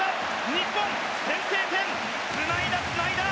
日本、先制点つないだ、つないだ！